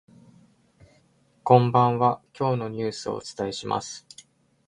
こんばんは、今日のニュースをお伝えします。